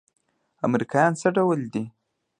امريکايان څه ډول دي؟